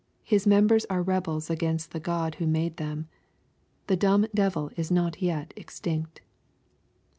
His members are rebels against the God who made them. The " dumb devil" is not yet extinct.